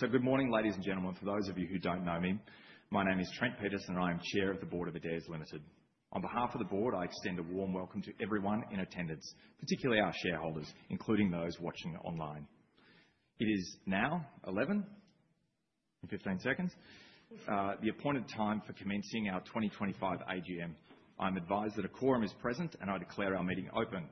Good morning, ladies and gentlemen. For those of you who don't know me, my name is Trent Peterson, and I am Chair of the Board of Adairs Limited. On behalf of the Board, I extend a warm welcome to everyone in attendance, particularly our shareholders, including those watching online. It is now 11:15 A.M., the appointed time for commencing our 2025 AGM. I'm advised that a quorum is present, and I declare our meeting open.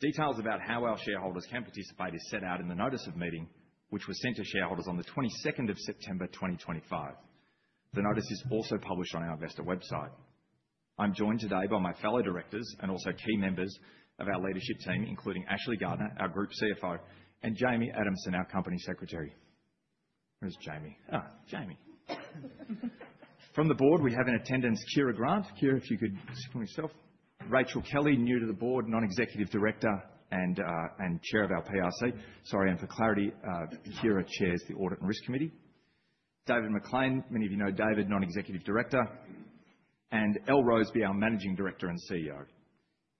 Details about how our shareholders can participate are set out in the notice of meeting, which was sent to shareholders on the 22nd of September 2025. The notice is also published on our Investor website. I'm joined today by my fellow directors and also key members of our leadership team, including Ashley Gardner, our Group CFO, and Jamie Adamson, our Company Secretary. Where is Jamie? Jamie. From the Board, we have in attendance Keira Grant. Keira, if you could speak for yourself. Rachel Kelly, new to the Board, Non-Executive Director and Chair of our PRC. Sorry, and for clarity, Keira chairs the Audit and Risk Committee. David MacLean, many of you know David, Non-Executive Director, and Elle Roseby, our Managing Director and CEO.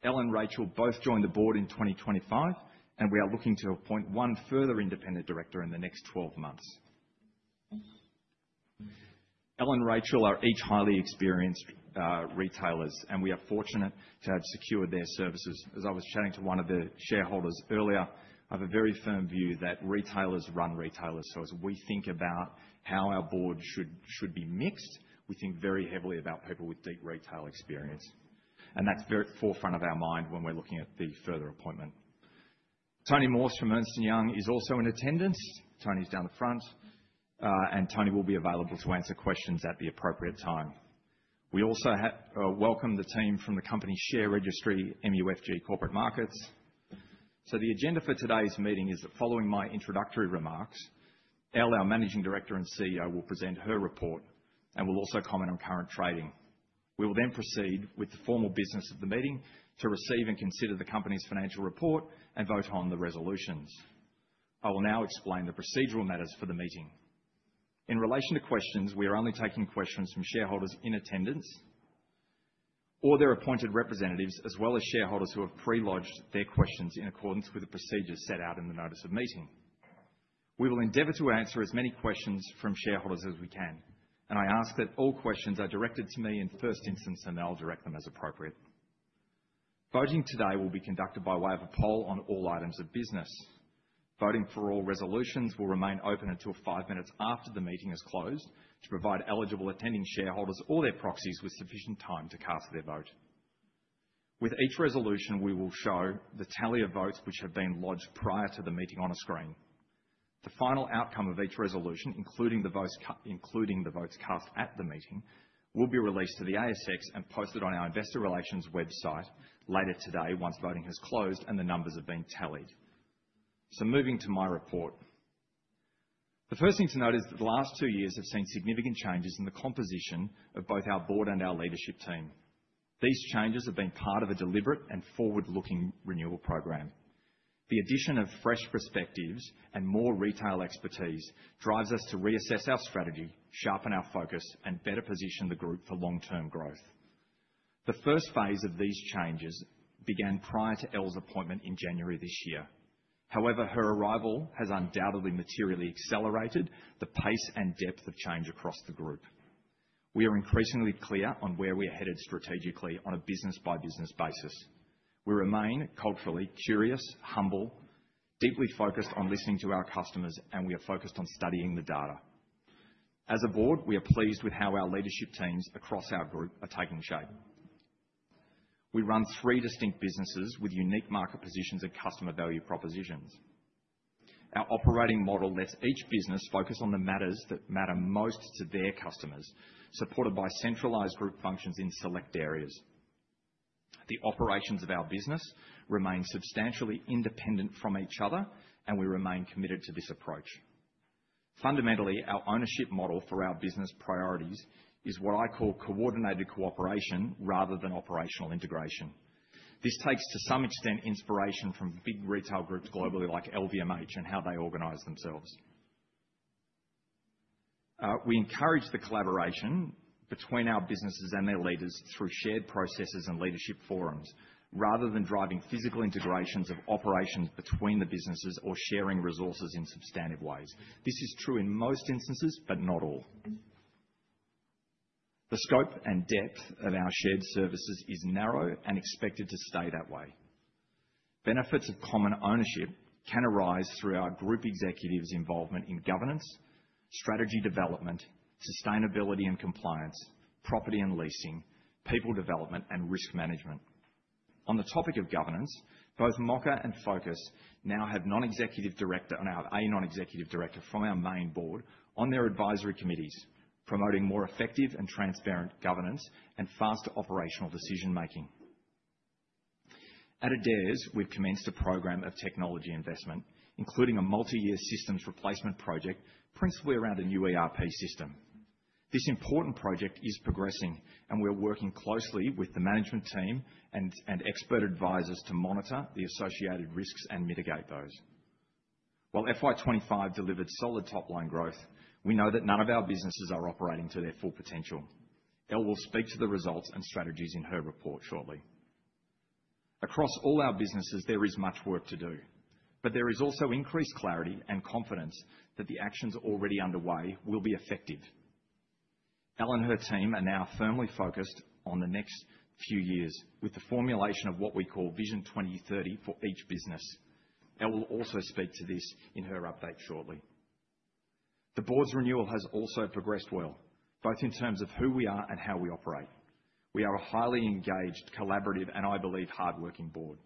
Elle and Rachel both joined the Board in 2025, and we are looking to appoint one further independent director in the next 12 months. Elle and Rachel are each highly experienced retailers, and we are fortunate to have secured their services. As I was chatting to one of the shareholders earlier, I have a very firm view that retailers run retailers. As we think about how our Board should be mixed, we think very heavily about people with deep retail experience. That's very forefront of our mind when we're looking at the further appointment. Tony Morse from Ernst & Young is also in attendance. Tony's down the front, and Tony will be available to answer questions at the appropriate time. We also welcome the team from the company share registry, and MUFG Corporate Markets. The agenda for today's meeting is that, following my introductory remarks, Elle, our Managing Director and CEO, will present her report and will also comment on current trading. We will then proceed with the formal business of the meeting to receive and consider the company's financial report and vote on the resolutions. I will now explain the procedural matters for the meeting. In relation to questions, we are only taking questions from shareholders in attendance or their appointed representatives, as well as shareholders who have pre-lodged their questions in accordance with the procedures set out in the notice of meeting. We will endeavor to answer as many questions from shareholders as we can, and I ask that all questions are directed to me in first instance, and then I'll direct them as appropriate. Voting today will be conducted by way of a poll on all items of business. Voting for all resolutions will remain open until five minutes after the meeting is closed to provide eligible attending shareholders or their proxies with sufficient time to cast their vote. With each resolution, we will show the tally of votes which have been lodged prior to the meeting on a screen. The final outcome of each resolution, including the votes cast at the meeting, will be released to the ASX and posted on our investor relations website later today once voting has closed and the numbers have been tallied. Moving to my report, the first thing to note is that the last two years have seen significant changes in the composition of both our Board and our leadership team. These changes have been part of a deliberate and forward-looking renewal program. The addition of fresh perspectives and more retail expertise drives us to reassess our strategy, sharpen our focus, and better position the group for long-term growth. The first phase of these changes began prior to Elle's appointment in January this year. However, her arrival has undoubtedly materially accelerated the pace and depth of change across the group. We are increasingly clear on where we are headed strategically on a business-by-business basis. We remain culturally curious, humble, deeply focused on listening to our customers, and we are focused on studying the data. As a Board, we are pleased with how our leadership teams across our group are taking shape. We run three distinct businesses with unique market positions and customer value propositions. Our operating model lets each business focus on the matters that matter most to their customers, supported by centralized group functions in select areas. The operations of our business remain substantially independent from each other, and we remain committed to this approach. Fundamentally, our ownership model for our business priorities is what I call coordinated cooperation rather than operational integration. This takes, to some extent, inspiration from big retail groups globally like LVMH and how they organize themselves. We encourage the collaboration between our businesses and their leaders through shared processes and leadership forums, rather than driving physical integrations of operations between the businesses or sharing resources in substantive ways. This is true in most instances, but not all. The scope and depth of our shared services is narrow and expected to stay that way. Benefits of common ownership can arise through our group executives' involvement in governance, strategy development, sustainability and compliance, property and leasing, people development, and risk management. On the topic of governance, both Mocka and Focus now have a Non-Executive Director and have a Non-Executive Director from our main board on their advisory committees, promoting more effective and transparent governance and faster operational decision-making. At Adairs, we've commenced a program of technology investment, including a multi-year systems replacement project, principally around a new ERP system. This important project is progressing, and we're working closely with the management team and expert advisors to monitor the associated risks and mitigate those. While FY 2025 delivered solid top-line growth, we know that none of our businesses are operating to their full potential. Elle will speak to the results and strategies in her report shortly. Across all our businesses, there is much work to do, but there is also increased clarity and confidence that the actions already underway will be effective. Elle and her team are now firmly focused on the next few years with the formulation of what we call Vision 2030 for each business. Elle will also speak to this in her update shortly. The Board's renewal has also progressed well, both in terms of who we are and how we operate. We are a highly engaged, collaborative, and I believe hard-working board.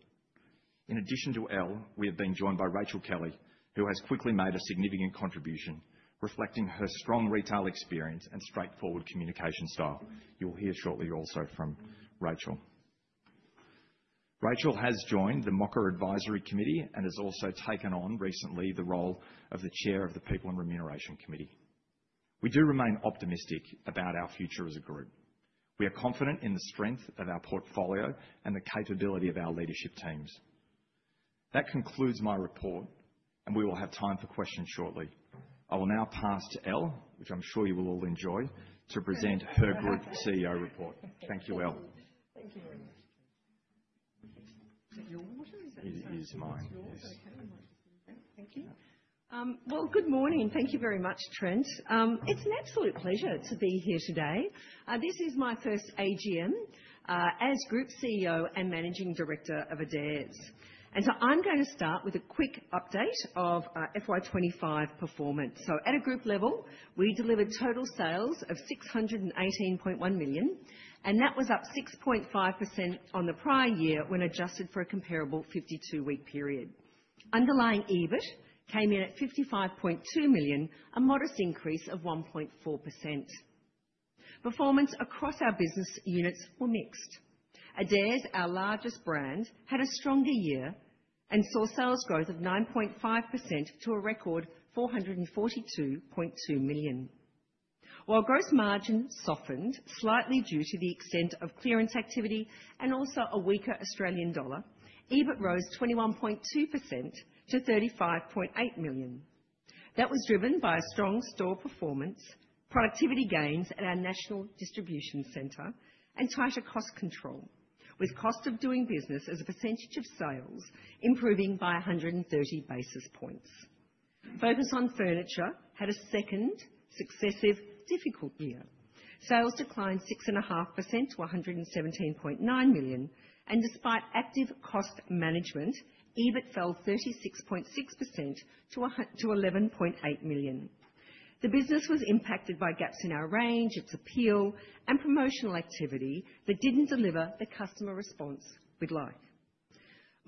In addition to Elle, we have been joined by Rachel Kelly, who has quickly made a significant contribution, reflecting her strong retail experience and straightforward communication style. You'll hear shortly also from Rachel. Rachel has joined the Mocka Advisory Committee and has also taken on recently the role of the Chair of the People and Remuneration Committee. We do remain optimistic about our future as a group. We are confident in the strength of our portfolio and the capability of our leadership teams. That concludes my report, and we will have time for questions shortly. I will now pass to Elle, which I'm sure you will all enjoy, to present her Group CEO report. Thank you, Elle. Okay. Thank you. Good morning. Thank you very much, Trent. It's an absolute pleasure to be here today. This is my first AGM as Group CEO and Managing Director of Adairs. I'm going to start with a quick update of FY 2025 performance. At a group level, we delivered total sales of 618.1 million, and that was up 6.5% on the prior year when adjusted for a comparable 52-week period. Underlying EBIT came in at 55.2 million, a modest increase of 1.4%. Performance across our business units was mixed. Adairs, our largest brand, had a stronger year and saw sales growth of 9.5% to a record 442.2 million. While gross margin softened slightly due to the extent of clearance activity and also a weaker Australian dollar, EBIT rose 21.2% to 35.8 million. That was driven by a strong store performance, productivity gains at our national distribution center, and tighter cost control, with cost of doing business as a percentage of sales improving by 130 basis points. Focus on Furniture had a second successive difficult year. Sales declined 6.5% to 117.9 million, and despite active cost management, EBIT fell 36.6% to 11.8 million. The business was impacted by gaps in our range, its appeal, and promotional activity that didn't deliver the customer response we'd like.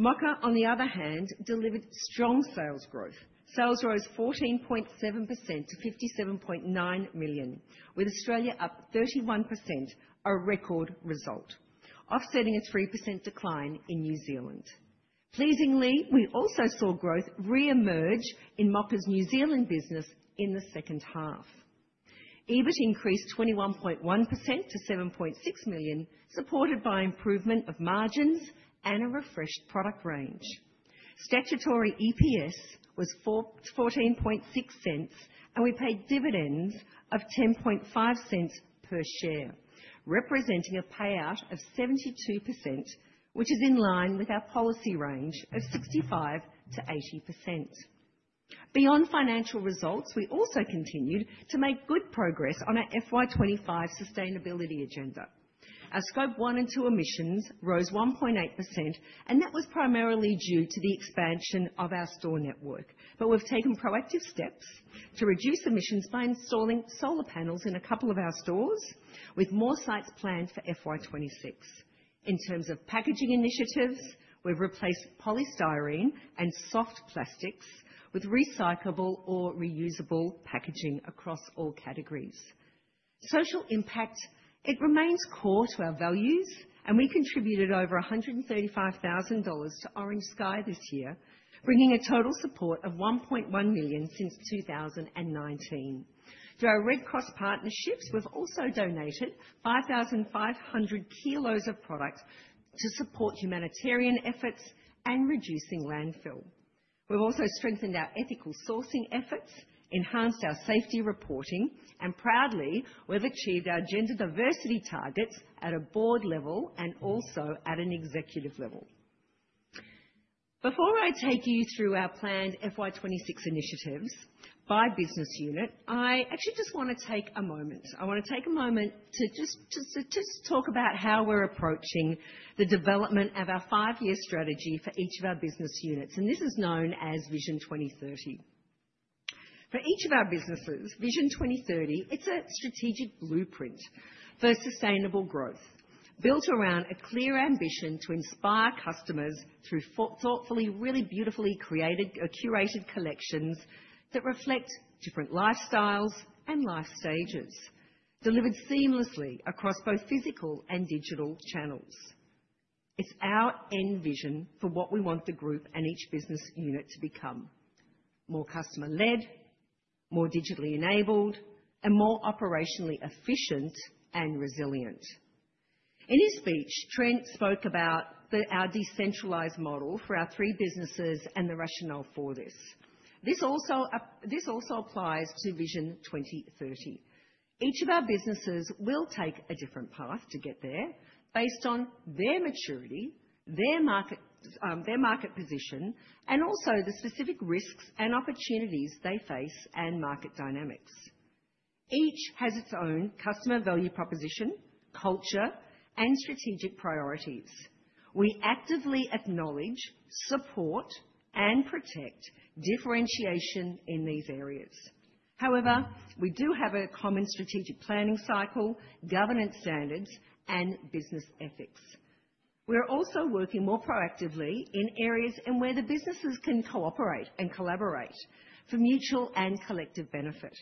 Mocka, on the other hand, delivered strong sales growth. Sales rose 14.7% to 57.9 million, with Australia up 31%, a record result, offsetting a 3% decline in New Zealand. Pleasingly, we also saw growth reemerge in Mocka's New Zealand business in the second half. EBIT increased 21.1% to 7.6 million, supported by improvement of margins and a refreshed product range. Statutory EPS was 0.146, and we paid dividends of 0.105 per share, representing a payout of 72%, which is in line with our policy range of 65%-80%. Beyond financial results, we also continued to make good progress on our FY 2025 sustainability agenda. Our Scope 1 and 2 emissions rose 1.8%, and that was primarily due to the expansion of our store network. We've taken proactive steps to reduce emissions by installing solar panels in a couple of our stores, with more sites planned for FY 2026. In terms of packaging initiatives, we've replaced polystyrene and soft plastics with recyclable or reusable packaging across all categories. Social impact remains core to our values, and we contributed over 135,000 dollars to Orange Sky this year, bringing a total support of 1.1 million since 2019. Through our Red Cross partnerships, we've also donated 5,500 kilos of product to support humanitarian efforts and reducing landfill. We've also strengthened our ethical sourcing efforts, enhanced our safety reporting, and proudly, we've achieved our gender diversity targets at a board level and also at an executive level. Before I take you through our planned FY 2026 initiatives by business unit, I want to take a moment to just talk about how we're approaching the development of our five-year strategy for each of our business units. This is known as Vision 2030. For each of our businesses, Vision 2030 is a strategic blueprint for sustainable growth built around a clear ambition to inspire customers through thoughtfully, really beautifully curated collections that reflect different lifestyles and life stages, delivered seamlessly across both physical and digital channels. It's our end vision for what we want the group and each business unit to become: more customer-led, more digitally enabled, and more operationally efficient and resilient. In his speech, Trent spoke about our decentralized model for our three businesses and the rationale for this. This also applies to Vision 2030. Each of our businesses will take a different path to get there based on their maturity, their market position, and also the specific risks and opportunities they face and market dynamics. Each has its own customer value proposition, culture, and strategic priorities. We actively acknowledge, support, and protect differentiation in these areas. However, we do have a common strategic planning cycle, governance standards, and business ethics. We're also working more proactively in areas where the businesses can cooperate and collaborate for mutual and collective benefit.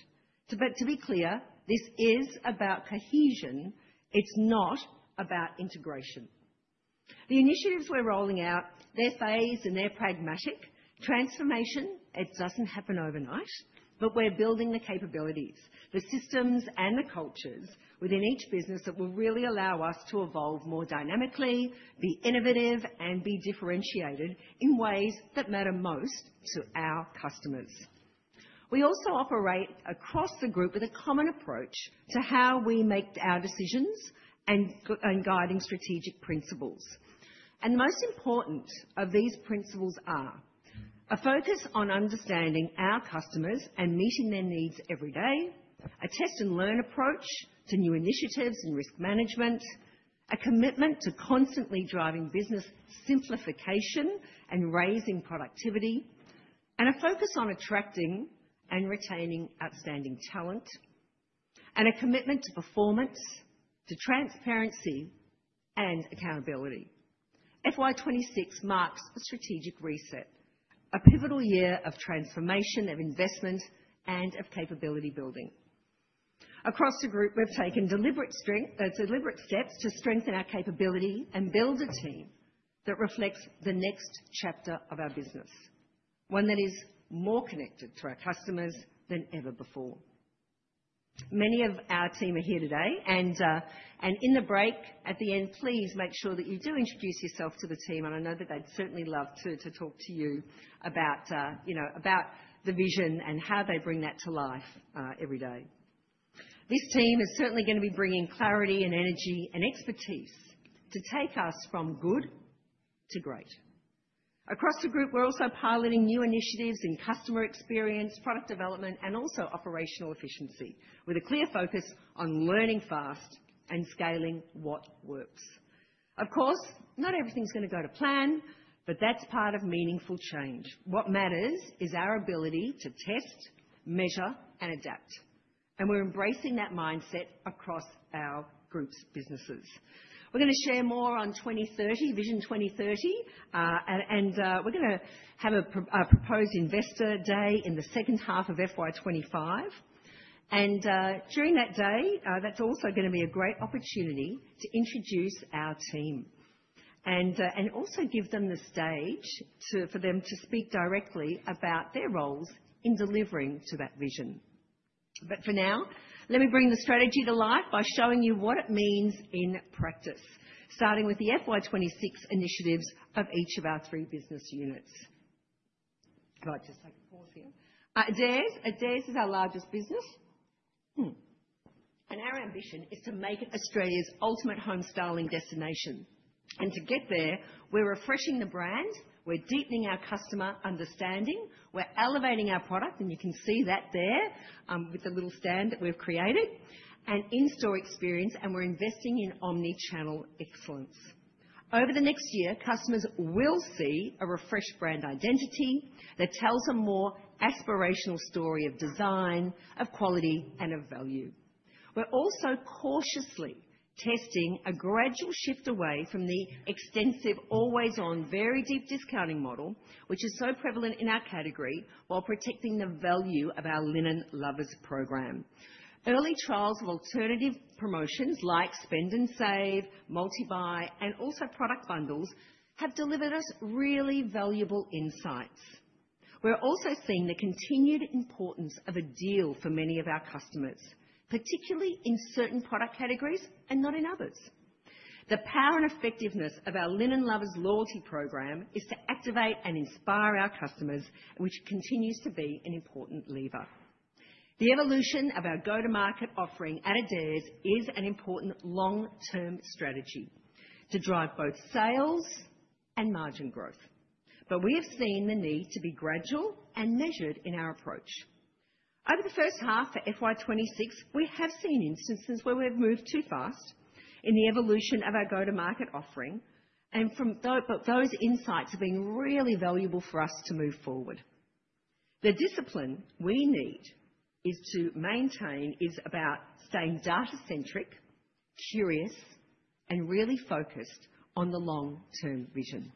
To be clear, this is about cohesion. It's not about integration. The initiatives we're rolling out are phased and they're pragmatic. Transformation doesn't happen overnight, but we're building the capabilities, the systems, and the cultures within each business that will really allow us to evolve more dynamically, be innovative, and be differentiated in ways that matter most to our customers. We also operate across the group with a common approach to how we make our decisions and guiding strategic principles. The most important of these principles are a focus on understanding our customers and meeting their needs every day, a test-and-learn approach to new initiatives and risk management, a commitment to constantly driving business simplification and raising productivity, a focus on attracting and retaining outstanding talent, and a commitment to performance, transparency, and accountability. FY 2026 marks a strategic reset, a pivotal year of transformation, investment, and capability building. Across the group, we've taken deliberate steps to strengthen our capability and build a team that reflects the next chapter of our business, one that is more connected to our customers than ever before. Many of our team are here today, and in the break at the end, please make sure that you do introduce yourself to the team. I know that they'd certainly love to talk to you about the vision and how they bring that to life every day. This team is certainly going to be bringing clarity, energy, and expertise to take us from good to great. Across the group, we're also piloting new initiatives in customer experience, product development, and operational efficiency, with a clear focus on learning fast and scaling what works. Of course, not everything is going to go to plan, but that's part of meaningful change. What matters is our ability to test, measure, and adapt. We're embracing that mindset across our group's businesses. We're going to share more on Vision 2030, and we're going to have a proposed investor day in the second half of FY 2025. During that day, that's also going to be a great opportunity to introduce our team and give them the stage for them to speak directly about their roles in delivering to that vision. For now, let me bring the strategy to life by showing you what it means in practice, starting with the FY 2026 initiatives of each of our three business units. Do I just have to pause here? Adairs is our largest business. Our ambition is to make it Australia's ultimate home styling destination. To get there, we're refreshing the brand, deepening our customer understanding, elevating our product, and you can see that there with the little stand that we've created, and in-store experience, and we're investing in omnichannel excellence. Over the next year, customers will see a refreshed brand identity that tells a more aspirational story of design, quality, and value. We're also cautiously testing a gradual shift away from the extensive, always-on, very deep discounting model, which is so prevalent in our category, while protecting the value of our Linen Lovers program. Early trials of alternative promotions like Spend & Save, Multi-Buy, and also product bundles have delivered us really valuable insights. We're also seeing the continued importance of a deal for many of our customers, particularly in certain product categories and not in others. The power and effectiveness of our Linen Lovers loyalty program is to activate and inspire our customers, which continues to be an important lever. The evolution of our go-to-market offering at Adairs is an important long-term strategy to drive both sales and margin growth. We have seen the need to be gradual and measured in our approach. Over the first half for FY 2026, we have seen instances where we've moved too fast in the evolution of our go-to-market offering, and those insights have been really valuable for us to move forward. The discipline we need to maintain is about staying data-centric, curious, and really focused on the long-term vision.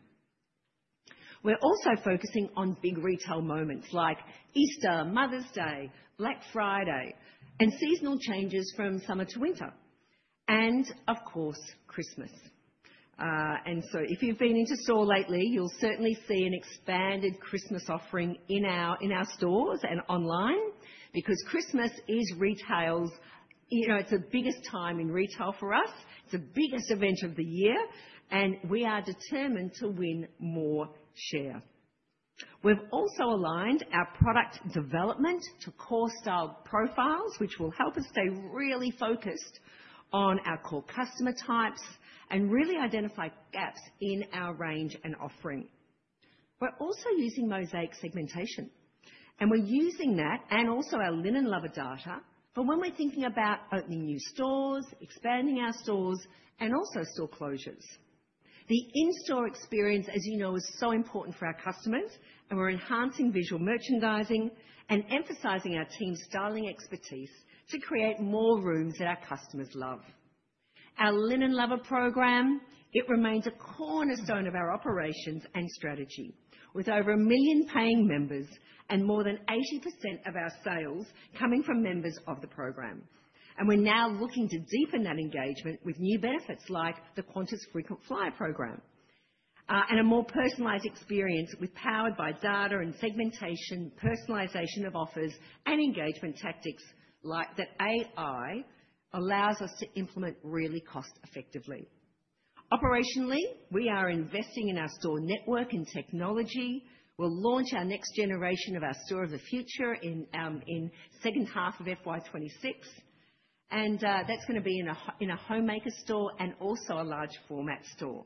We're also focusing on big retail moments like Easter, Mother's Day, Black Friday, and seasonal changes from summer to winter, and of course, Christmas. If you've been into store lately, you'll certainly see an expanded Christmas offering in our stores and online because Christmas is retail's, you know, it's the biggest time in retail for us. It's the biggest event of the year, and we are determined to win more share. We've also aligned our product development to core style profiles, which will help us stay really focused on our core customer types and really identify gaps in our range and offering. We're also using mosaic segmentation, and we're using that and also our Linen Lover data for when we're thinking about opening new stores, expanding our stores, and also store closures. The in-store experience, as you know, is so important for our customers, and we're enhancing visual merchandising and emphasizing our team's styling expertise to create more rooms that our customers love. Our Linen Lover program remains a cornerstone of our operations and strategy, with over a million paying members and more than 80% of our sales coming from members of the program. We are now looking to deepen that engagement with new benefits like the Qantas Frequent Flyer program and a more personalized experience powered by data and segmentation, personalization of offers, and engagement tactics like that AI allows us to implement really cost-effectively. Operationally, we are investing in our store network and technology. We will launch our next generation of our Store of the Future in the second half of FY 2026, and that is going to be in a homemaker store and also a large format store.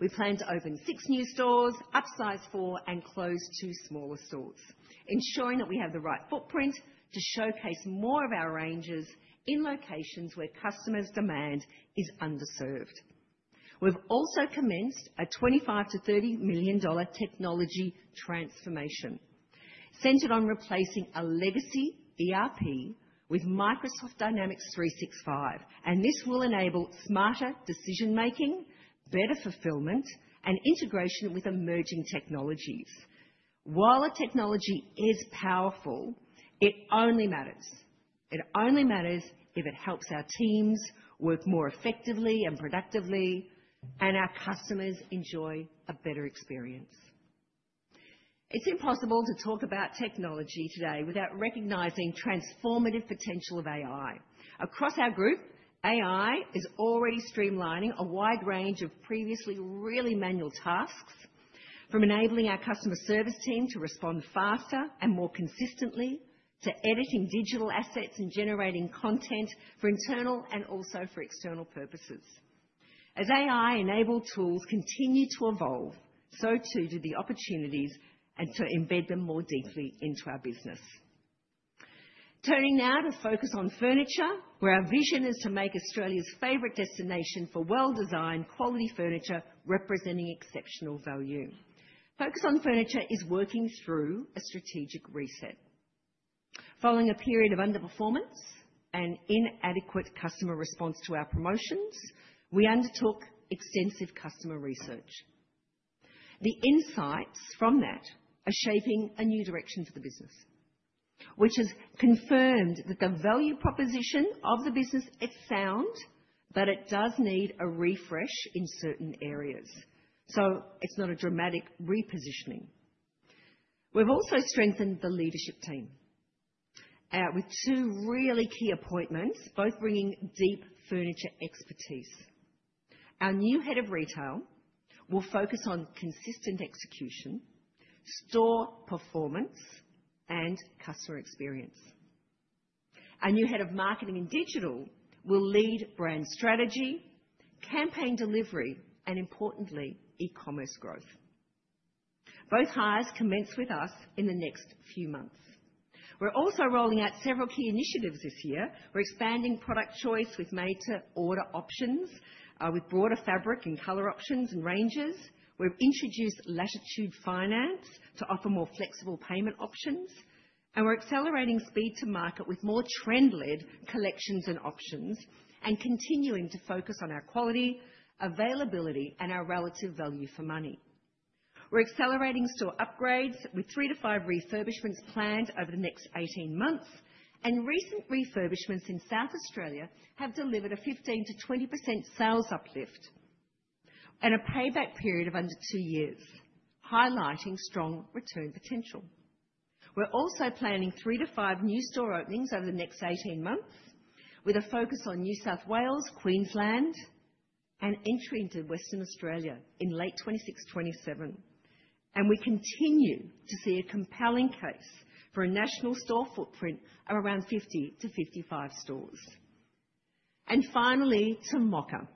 We plan to open six new stores, upsize four, and close two smaller stores, ensuring that we have the right footprint to showcase more of our ranges in locations where customer demand is underserved. We have also commenced a 25 million-30 million dollar technology transformation centered on replacing a legacy ERP with Microsoft Dynamics 365, and this will enable smarter decision-making, better fulfillment, and integration with emerging technologies. While the technology is powerful, it only matters if it helps our teams work more effectively and productively and our customers enjoy a better experience. It is impossible to talk about technology today without recognizing the transformative potential of AI. Across our group, AI is already streamlining a wide range of previously really manual tasks, from enabling our customer service team to respond faster and more consistently to editing digital assets and generating content for internal and also for external purposes. As AI-enabled tools continue to evolve, so too do the opportunities to embed them more deeply into our business. Turning now to Focus on Furniture, where our vision is to make Australia's favorite destination for well-designed, quality furniture representing exceptional value. Focus on Furniture is working through a strategic reset. Following a period of underperformance and inadequate customer response to our promotions, we undertook extensive customer research. The insights from that are shaping a new direction for the business, which has confirmed that the value proposition of the business is sound, but it does need a refresh in certain areas. It is not a dramatic repositioning. We have also strengthened the leadership team with two really key appointments, both bringing deep furniture expertise. Our new Head of Retail will focus on consistent execution, store performance, and customer experience. Our new Head of Marketing and Digital will lead brand strategy, campaign delivery, and importantly, e-commerce growth. Both hires commence with us in the next few months. We're also rolling out several key initiatives this year. We're expanding product choice with major order options, with broader fabric and color options and ranges. We've introduced Latitude Finance to offer more flexible payment options, and we're accelerating speed to market with more trend-led collections and options and continuing to focus on our quality, availability, and our relative value for money. We're accelerating store upgrades with three to five refurbishments planned over the next 18 months, and recent refurbishments in South Australia have delivered a 15%-20% sales uplift and a payback period of under two years, highlighting strong return potential. We're also planning three to five new store openings over the next 18 months, with a focus on New South Wales, Queensland, and entry into Western Australia in late 2026, 2027. We continue to see a compelling case for a national store footprint of around 50 to 55 stores. Finally, to Mocka,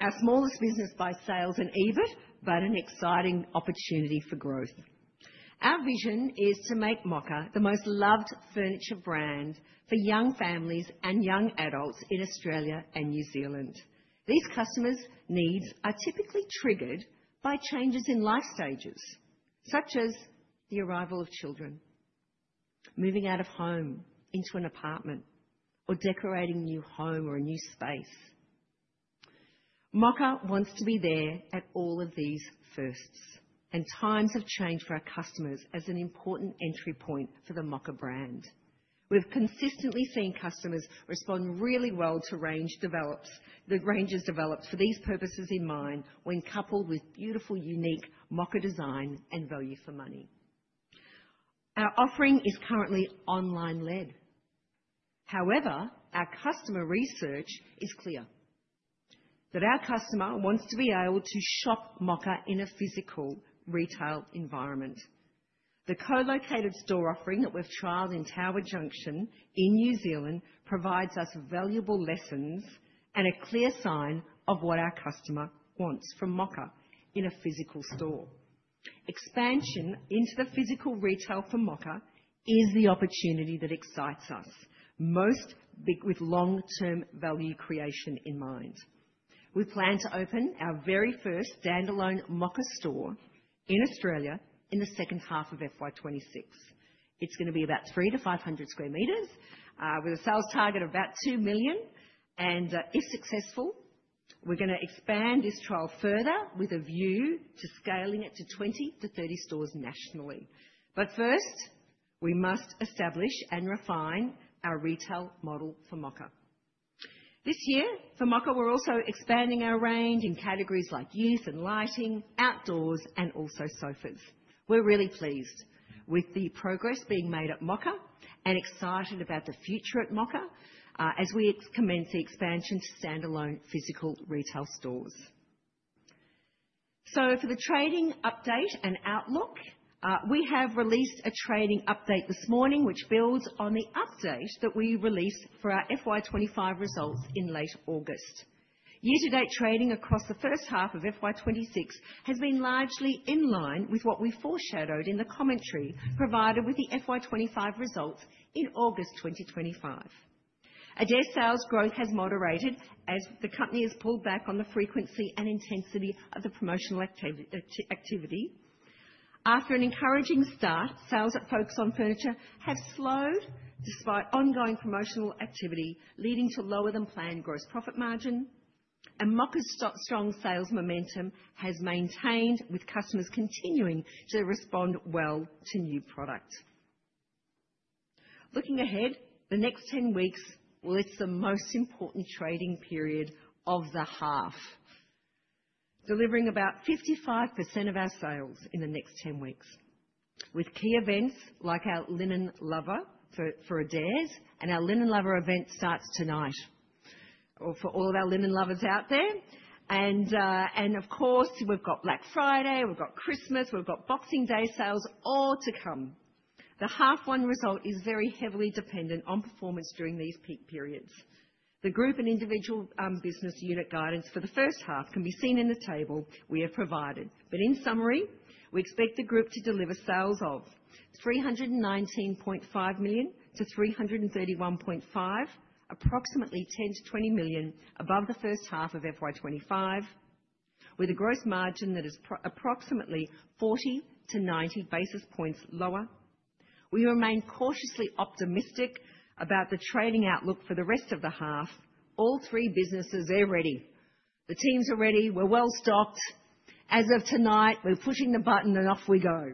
our smallest business by sales and EBIT, but an exciting opportunity for growth. Our vision is to make Mocka the most loved furniture brand for young families and young adults in Australia and New Zealand. These customers' needs are typically triggered by changes in life stages, such as the arrival of children, moving out of home into an apartment, or decorating a new home or a new space. Mocka wants to be there at all of these firsts, and times have changed for our customers as an important entry point for the Mocka brand. We've consistently seen customers respond really well to the ranges developed for these purposes in mind, when coupled with beautiful, unique Mocka design and value for money. Our offering is currently online-led. However, our customer research is clear that our customer wants to be able to shop Mocka in a physical retail environment. The co-located store offering that we've trialed in Tower Junction in New Zealand provides us valuable lessons and a clear sign of what our customer wants from Mocka in a physical store. Expansion into the physical retail for Mocka is the opportunity that excites us most with long-term value creation in mind. We plan to open our very first standalone Mocka store in Australia in the second half of FY 2026. It's going to be about 300 sq m-500 sq m with a sales target of about 2 million. If successful, we're going to expand this trial further with a view to scaling it to 20 to 30 stores nationally. First, we must establish and refine our retail model for Mocka. This year, for Mocka, we're also expanding our range in categories like youth and lighting, outdoors, and also sofas. We're really pleased with the progress being made at Mocka and excited about the future at Mocka as we commence the expansion to standalone physical retail stores. For the trading update and outlook, we have released a trading update this morning, which builds on the update that we released for our FY 2025 results in late August. Year-to-date trading across the first half of FY 2026 has been largely in line with what we foreshadowed in the commentary provided with the FY 2025 results in August 2025. Adairs sales growth has moderated as the company has pulled back on the frequency and intensity of the promotional activity. After an encouraging start, sales at Focus on Furniture have slowed despite ongoing promotional activity, leading to lower than planned gross profit margin, and Mocka's strong sales momentum has maintained with customers continuing to respond well to new product. Looking ahead, the next 10 weeks will list the most important trading period of the half, delivering about 55% of our sales in the next 10 weeks, with key events like our Linen Lover for Adairs, and our Linen Lover event starts tonight for all of our Linen Lovers out there. Of course, we've got Black Friday, we've got Christmas, we've got Boxing Day sales, all to come. The half-one result is very heavily dependent on performance during these peak periods. The group and individual business unit guidance for the first half can be seen in the table we have provided. In summary, we expect the group to deliver sales of 319.5 million-331.5 million, approximately 10 million-20 million above the first half of FY 2025, with a gross margin that is approximately 40 to 90 basis points lower. We remain cautiously optimistic about the trading outlook for the rest of the half. All three businesses are ready. The teams are ready. We're well stocked. As of tonight, we're pushing the button and off we go.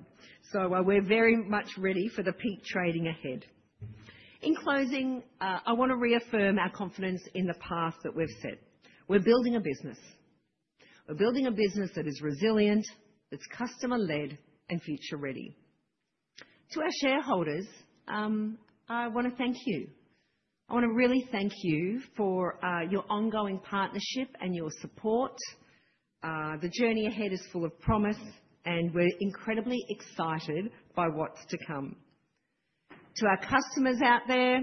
We're very much ready for the peak trading ahead. In closing, I want to reaffirm our confidence in the path that we've set. We're building a business. We're building a business that is resilient, that's customer-led, and future-ready. To our shareholders, I want to thank you. I want to really thank you for your ongoing partnership and your support. The journey ahead is full of promise, and we're incredibly excited by what's to come. To our customers out there,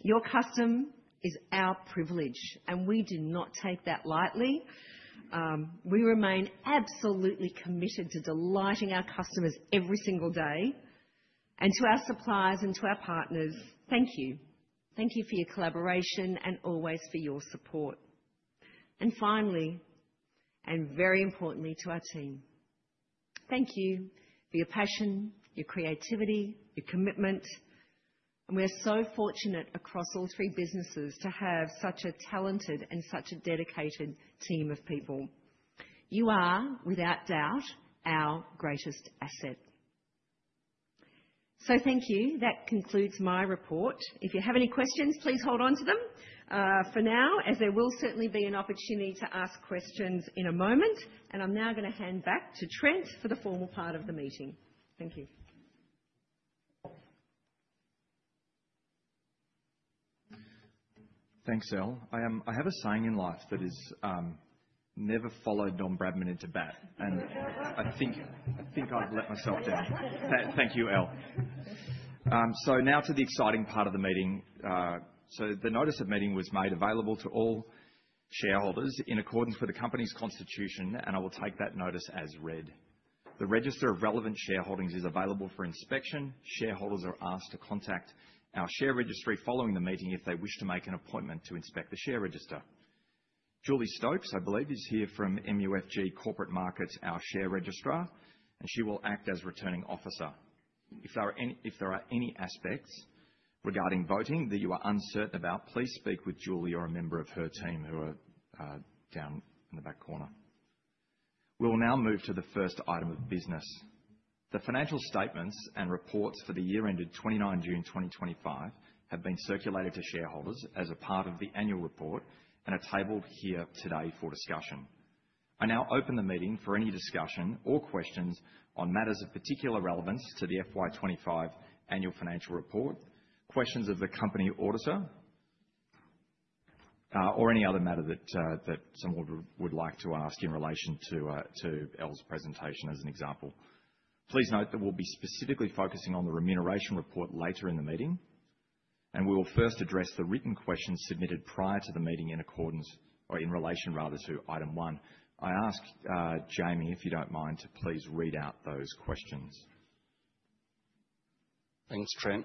your custom is our privilege, and we do not take that lightly. We remain absolutely committed to delighting our customers every single day. To our suppliers and to our partners, thank you. Thank you for your collaboration and always for your support. Finally, and very importantly, to our team, thank you for your passion, your creativity, your commitment. We are so fortunate across all three businesses to have such a talented and such a dedicated team of people. You are, without doubt, our greatest asset. Thank you. That concludes my report. If you have any questions, please hold on to them for now, as there will certainly be an opportunity to ask questions in a moment. I'm now going to hand back to Trent for the formal part of the meeting. Thank you. Thanks, Elle. I have a saying in life that is, "Never follow Don Bradman into bat," and I think I've let myself down. Thank you, Elle. Now to the exciting part of the meeting. The notice of meeting was made available to all shareholders in accordance with the company's constitution, and I will take that notice as read. The register of relevant shareholders is available for inspection. Shareholders are asked to contact our share registry following the meeting if they wish to make an appointment to inspect the share register. Julie Stokes, I believe, is here from MUFG Corporate Markets, our share registrar, and she will act as returning officer. If there are any aspects regarding voting that you are uncertain about, please speak with Julie or a member of her team who are down in the back corner. We will now move to the first item of business. The financial statements and reports for the year ended 29 June 2025 have been circulated to shareholders as a part of the annual report, and are tabled here today for discussion. I now open the meeting for any discussion or questions on matters of particular relevance to the FY 2025 annual financial report, questions of the company auditor, or any other matter that someone would like to ask in relation to Elle's presentation as an example. Please note that we'll be specifically focusing on the remuneration report later in the meeting, and we will first address the written questions submitted prior to the meeting in relation to item one. I ask Jamie, if you don't mind, to please read out those questions. Thanks, Trent.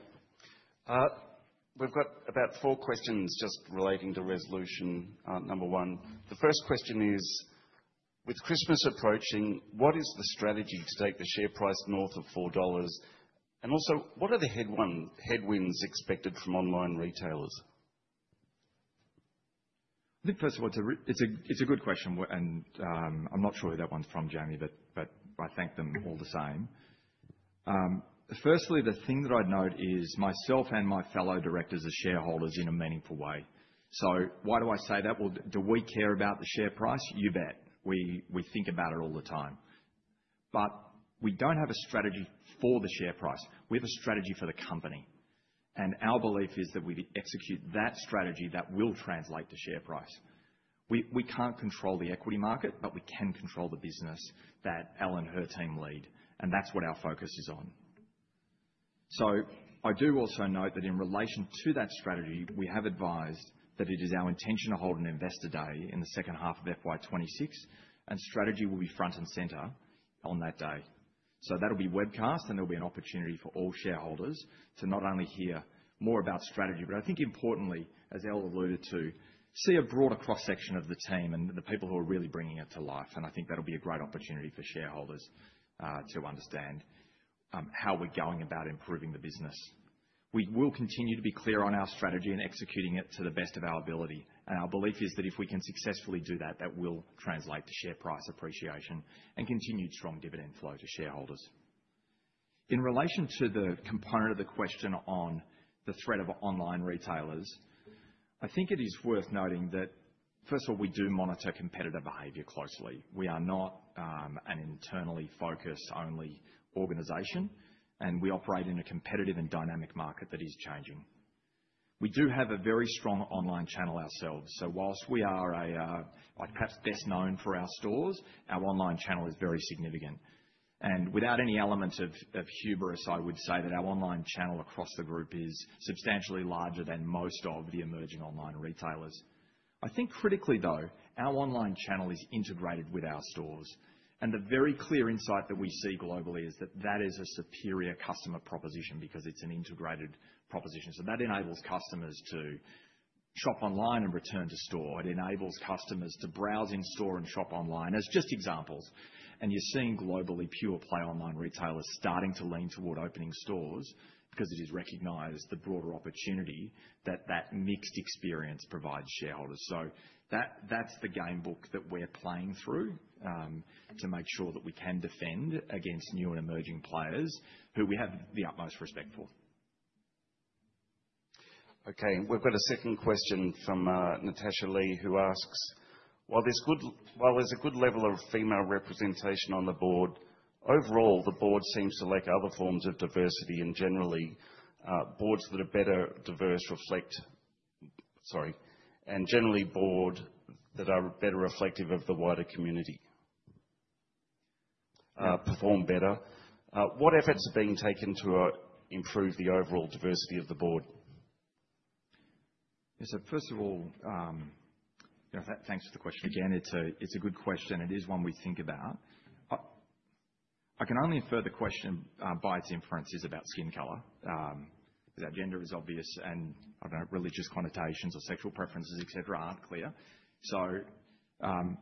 We've got about four questions just relating to resolution number one. The first question is, with Christmas approaching, what is the strategy to take the share price north of 4 dollars? Also, what are the headwinds expected from online retailers? I think, first of all, it's a good question, and I'm not sure who that one's from, Jamie, but I thank them all the same. Firstly, the thing that I'd note is myself and my fellow directors are shareholders in a meaningful way. So why do I say that? Do we care about the share price? You bet. We think about it all the time. We don't have a strategy for the share price. We have a strategy for the company, and our belief is that we execute that strategy that will translate to share price. We can't control the equity market, but we can control the business that Elle and her team lead, and that's what our focus is on. I do also note that in relation to that strategy, we have advised that it is our intention to hold an investor day in the second half of FY 2026, and strategy will be front and center on that day. That'll be webcast, and there'll be an opportunity for all shareholders to not only hear more about strategy, but I think importantly, as Elle alluded to, see a broader cross-section of the team and the people who are really bringing it to life. I think that'll be a great opportunity for shareholders to understand how we're going about improving the business. We will continue to be clear on our strategy and executing it to the best of our ability. Our belief is that if we can successfully do that, that will translate to share price appreciation and continued strong dividend flow to shareholders. In relation to the component of the question on the threat of online retailers, I think it is worth noting that, first of all, we do monitor competitor behavior closely. We are not an internally focused only organization, and we operate in a competitive and dynamic market that is changing. We do have a very strong online channel ourselves. Whilst we are perhaps best known for our stores, our online channel is very significant. Without any element of hubris, I would say that our online channel across the group is substantially larger than most of the emerging online retailers. I think critically, though, our online channel is integrated with our stores. The very clear insight that we see globally is that that is a superior customer proposition because it's an integrated proposition. That enables customers to shop online and return to store. It enables customers to browse in-store and shop online, as just examples. You're seeing globally pure-play online retailers starting to lean toward opening stores because it is recognized the broader opportunity that that mixed experience provides shareholders. That's the game book that we're playing through, to make sure that we can defend against new and emerging players who we have the utmost respect for. Okay. We've got a second question from Natasha Lee, who asks, "While there's a good level of female representation on the board, overall, the board seems to lack other forms of diversity and generally, boards that are better reflective of the wider community perform better. What efforts are being taken to improve the overall diversity of the board? Yeah. First of all, thanks for the question again. It's a good question. It is one we think about. I can only infer the question by its inferences about skin color, because our gender is obvious, and I don't know, religious connotations or sexual preferences, etc., aren't clear.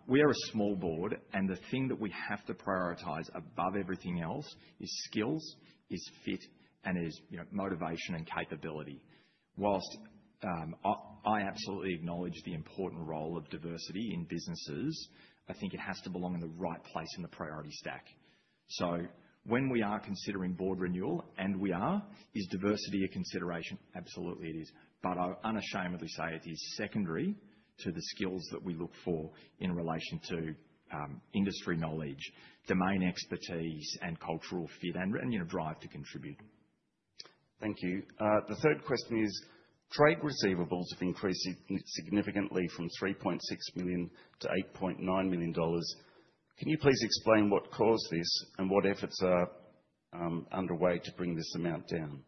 We are a small board, and the thing that we have to prioritize above everything else is skills, fit, motivation, and capability. Whilst I absolutely acknowledge the important role of diversity in businesses, I think it has to belong in the right place in the priority stack. When we are considering board renewal, and we are, is diversity a consideration? Absolutely, it is. I unashamedly say it is secondary to the skills that we look for in relation to industry knowledge, domain expertise, cultural fit, and drive to contribute. Thank you. The third question is, "Trade receivables have increased significantly from 3.6 million-8.9 million dollars. Can you please explain what caused this and what efforts are underway to bring this amount down?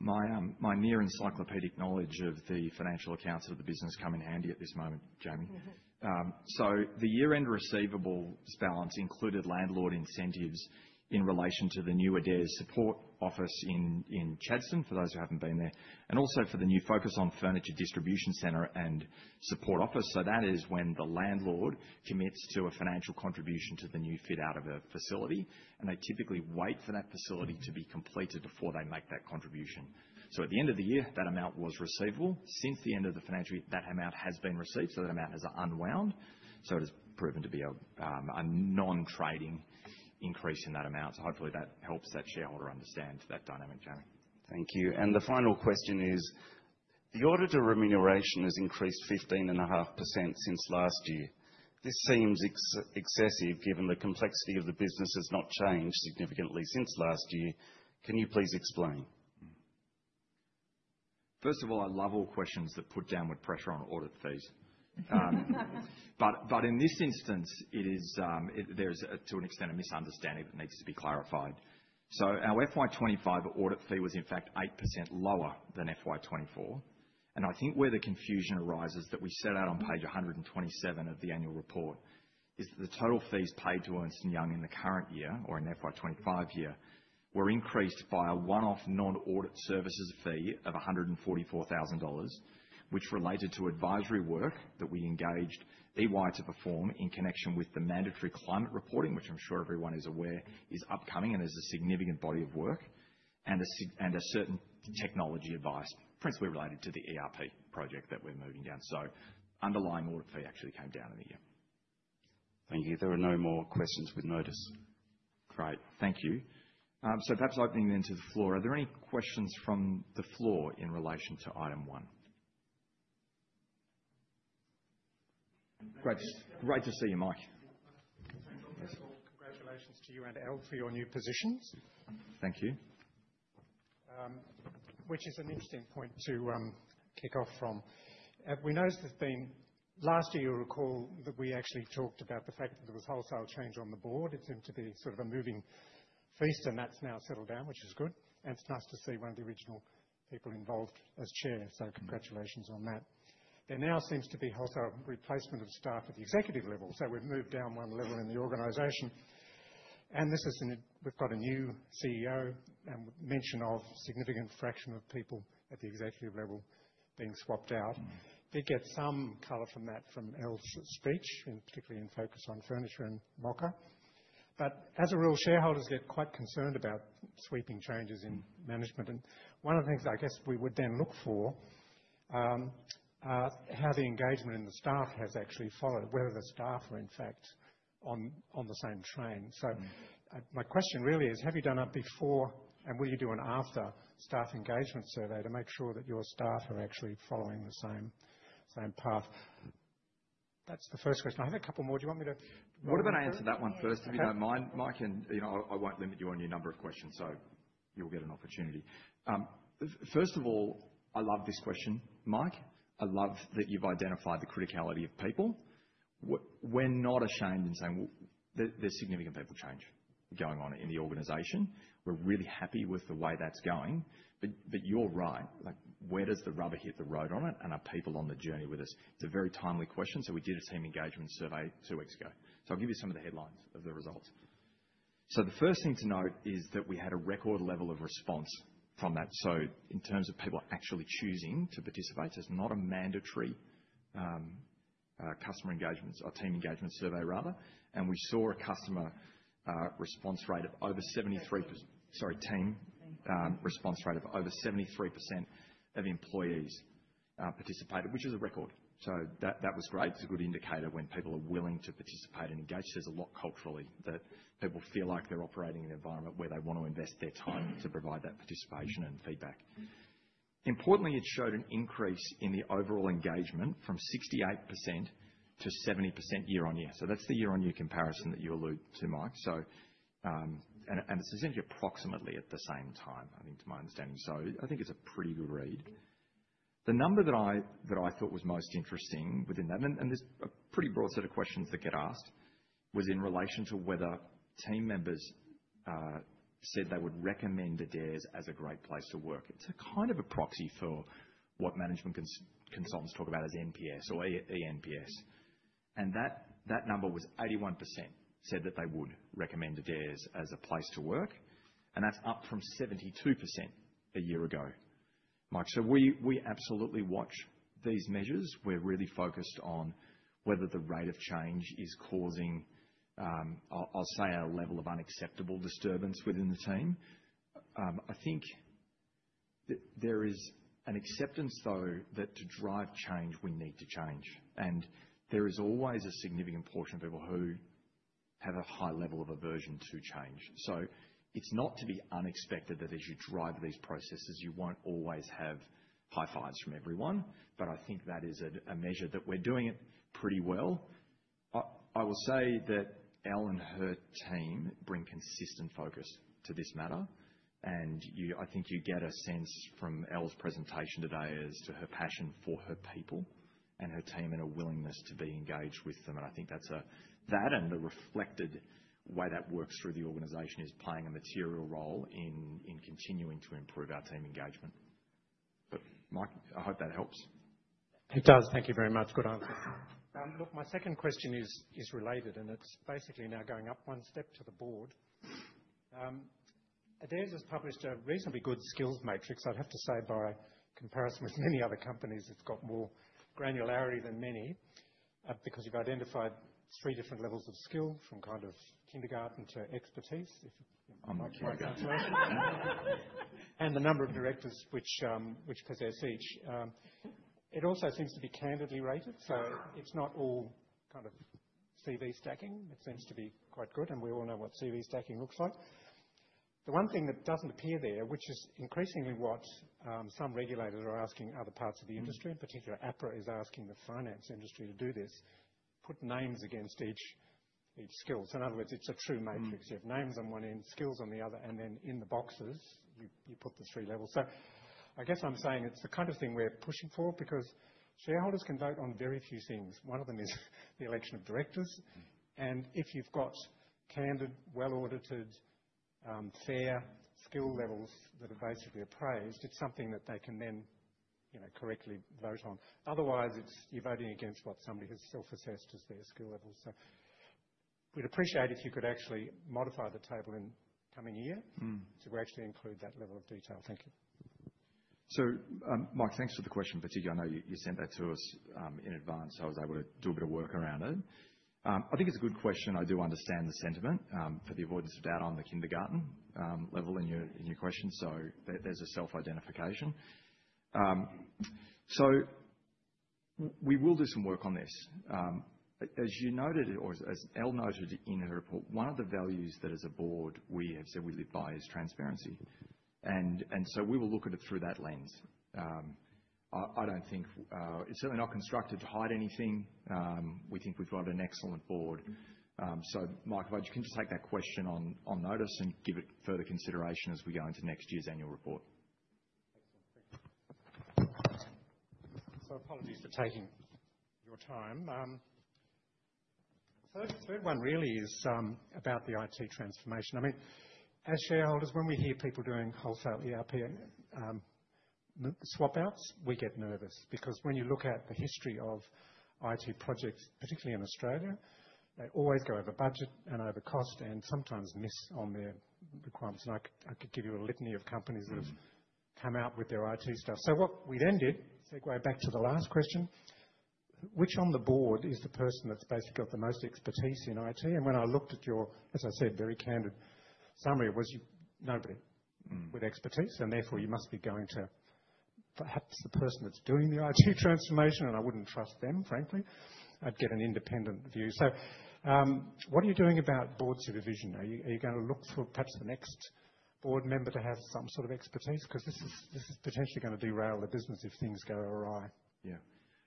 My mere encyclopedic knowledge of the financial accounts of the business come in handy at this moment, Jamie. The year-end receivables balance included landlord incentives in relation to the new Adairs support office in Chadstone, for those who haven't been there, and also for the new Focus on Furniture Distribution Centre and Support Office. That is when the landlord commits to a financial contribution to the new fit-out of a facility, and they typically wait for that facility to be completed before they make that contribution. At the end of the year, that amount was receivable. Since the end of the financial year, that amount has been received, so that amount has unwound. It has proven to be a non-trading increase in that amount. Hopefully, that helps that shareholder understand that dynamic, Jamie. Thank you. The final question is, "The auditor remuneration has increased 15.5% since last year. This seems excessive given the complexity of the business has not changed significantly since last year. Can you please explain? First of all, I love all questions that put downward pressure on audit fees. In this instance, there is, to an extent, a misunderstanding that needs to be clarified. Our FY 2025 audit fee was, in fact, 8% lower than FY 2024. I think where the confusion arises, that we set out on page 127 of the annual report, is that the total fees paid to Ernst & Young in the current year, or in the FY 2025 year, were increased by a one-off non-audit services fee of 144,000 dollars, which related to advisory work that we engaged Ernst & Young to perform in connection with the mandatory climate reporting, which I'm sure everyone is aware is upcoming and is a significant body of work, and a certain technology advice, principally related to the ERP project that we're moving down. The underlying audit fee actually came down in the year. Thank you. There are no more questions with notice. Great. Thank you. Perhaps opening then to the floor, are there any questions from the floor in relation to item one? Great to see you, Mike. First of all, congratulations to you and Elle for your new positions. Thank you. Which is an interesting point to kick off from. We know there's been last year, you'll recall that we actually talked about the fact that there was wholesale change on the board. It seemed to be sort of a moving feast, and that's now settled down, which is good. It's nice to see one of the original people involved as Chair. So congratulations on that. There now seems to be wholesale replacement of staff at the executive level. We've moved down one level in the organization. We've got a new CEO and mention of a significant fraction of people at the executive level being swapped out. They get some color from that from Elle's speech, particularly in Focus on Furniture and Mocka. As a rule, shareholders get quite concerned about sweeping changes in management. One of the things I guess we would then look for is how the engagement in the staff has actually followed, whether the staff are, in fact, on the same train. My question really is, have you done a before and will you do an after staff engagement survey to make sure that your staff are actually following the same path? That's the first question. I have a couple more. Do you want me to? What about I answer that one first, if you don't mind, Mike? You know I won't limit you on your number of questions, so you'll get an opportunity. First of all, I love this question, Mike. I love that you've identified the criticality of people. We're not ashamed in saying there's significant people change going on in the organization. We're really happy with the way that's going. You're right. Where does the rubber hit the road on it, and are people on the journey with us? It's a very timely question. We did a team engagement survey two weeks ago. I'll give you some of the headlines of the results. The first thing to note is that we had a record level of response from that. In terms of people actually choosing to participate, it's not a mandatory team engagement survey. We saw a team response rate of over 73% of employees participated, which is a record. That was great. It's a good indicator when people are willing to participate and engage. There's a lot culturally that people feel like they're operating in an environment where they want to invest their time to provide that participation and feedback. Importantly, it showed an increase in the overall engagement from 68%-70% year-on-year. That's the year-on-year comparison that you alluded to, Mike. It's essentially approximately at the same time, I think, to my understanding. I think it's a pretty good read. The number that I thought was most interesting within that, and there's a pretty broad set of questions that get asked, was in relation to whether team members said they would recommend Adairs as a great place to work. It's a kind of a proxy for what management consultants talk about as NPS or ENPS. That number was 81% said that they would recommend Adairs as a place to work, and that's up from 72% a year ago, Mike. We absolutely watch these measures. We're really focused on whether the rate of change is causing, I'll say, a level of unacceptable disturbance within the team. I think that there is an acceptance, though, that to drive change, we need to change. There is always a significant portion of people who have a high level of aversion to change. It's not to be unexpected that as you drive these processes, you won't always have high fives from everyone. I think that is a measure that we're doing it pretty well. I will say that Elle and her team bring consistent focus to this matter. I think you get a sense from Elle's presentation today as to her passion for her people and her team and her willingness to be engaged with them. I think that and the reflected way that works through the organization is playing a material role in continuing to improve our team engagement. Mike, I hope that helps. It does. Thank you very much. Good answers. Look, my second question is related, and it's basically now going up one step to the board. Adairs has published a reasonably good skills matrix, I'd have to say, by comparison with many other companies. It's got more granularity than many, because you've identified three different levels of skill from kind of kindergarten to expertise, if I'm not kidding. And the number of directors which possess each. It also seems to be candidly rated. It's not all kind of CV stacking. It seems to be quite good, and we all know what CV stacking looks like. The one thing that doesn't appear there, which is increasingly what some regulators are asking other parts of the industry, in particular, APRA is asking the finance industry to do this, put names against each skill. In other words, it's a true matrix. You have names on one end, skills on the other, and then in the boxes, you put the three levels. I guess I'm saying it's the kind of thing we're pushing for because shareholders can vote on very few things. One of them is the election of directors. If you've got candid, well-audited, fair skill levels that are basically appraised, it's something that they can then, you know, correctly vote on. Otherwise, you're voting against what somebody has self-assessed as their skill level. We'd appreciate it if you could actually modify the table in the coming year to actually include that level of detail. Thank you. Mike, thanks for the question, particularly I know you sent that to us in advance. I was able to do a bit of work around it. I think it's a good question. I do understand the sentiment for the avoidance of data on the kindergarten level in your question. There's a self-identification. We will do some work on this. As you noted or as Elle noted in her report, one of the values that as a board we have said we live by is transparency. We will look at it through that lens. I don't think it's certainly not constructed to hide anything. We think we've got an excellent board. Mike, if I could just take that question on notice and give it further consideration as we go into next year's annual report. Excellent. Thank you. Apologies for taking your time. The third one really is about the IT transformation. I mean, as shareholders, when we hear people doing wholesale ERP swap-outs, we get nervous because when you look at the history of IT projects, particularly in Australia, they always go over budget and over cost and sometimes miss on their requirements. I could give you a litany of companies that have come out with their IT stuff. What we then did, segue back to the last question, which on the board is the person that's basically got the most expertise in IT? When I looked at your, as I said, very candid summary, it was nobody with expertise. Therefore, you must be going to perhaps the person that's doing the IT transformation, and I wouldn't trust them, frankly. I'd get an independent view. What are you doing about board supervision? Are you going to look for perhaps the next board member to have some sort of expertise? This is potentially going to derail the business if things go awry. Yeah.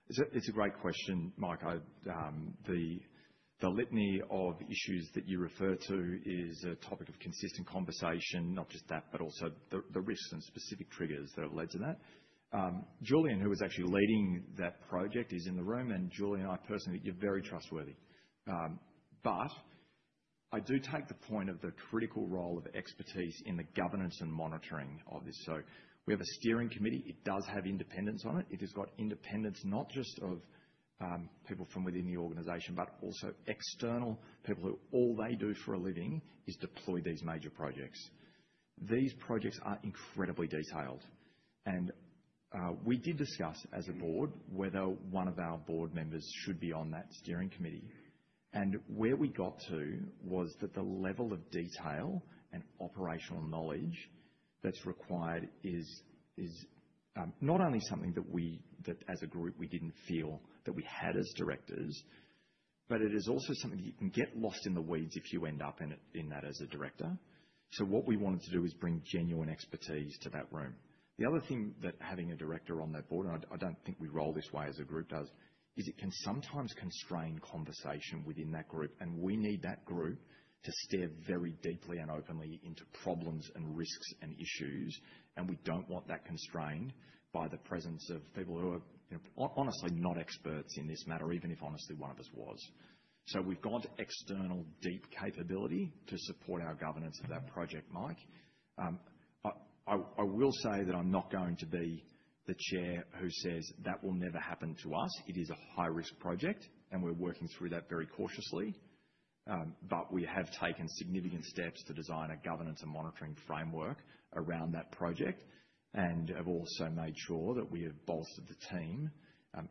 It's a great question, Mike. The litany of issues that you refer to is a topic of consistent conversation, not just that, but also the risks and specific triggers that have led to that. Julian, who was actually leading that project, is in the room. Julian, I personally think you're very trustworthy, but I do take the point of the critical role of expertise in the governance and monitoring of this. We have a steering committee. It does have independence on it. It has got independence not just of people from within the organization, but also external people who all they do for a living is deploy these major projects. These projects are incredibly detailed. We did discuss as a board whether one of our board members should be on that steering committee. Where we got to was that the level of detail and operational knowledge that's required is not only something that we, as a group, didn't feel that we had as directors, but it is also something that you can get lost in the weeds if you end up in that as a director. What we wanted to do is bring genuine expertise to that room. The other thing that having a director on that board, and I don't think we roll this way as a group, is it can sometimes constrain conversation within that group. We need that group to steer very deeply and openly into problems and risks and issues. We don't want that constrained by the presence of people who are, you know, honestly not experts in this matter, even if honestly one of us was. We've got external deep capability to support our governance of that project, Mike. I will say that I'm not going to be the chair who says that will never happen to us. It is a high-risk project, and we're working through that very cautiously. We have taken significant steps to design a governance and monitoring framework around that project and have also made sure that we have bolstered the team,